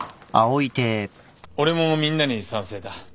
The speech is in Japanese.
俺もみんなに賛成だ。